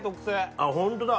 あっホントだ。